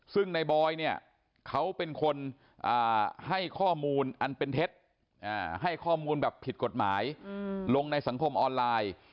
ซึ่งในบอยเนี่ยเขาเป็นคนให้ข้อมูลอันเป็นเท็จให้ข้อมูลแบบผิดกฎหมายลงในสังคมออนไลน์